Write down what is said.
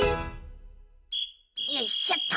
よいしょっと。